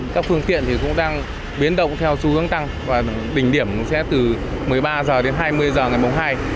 các phương tiện cũng đang biến động theo xu hướng tăng và đỉnh điểm sẽ từ một mươi ba h đến hai mươi h ngày hai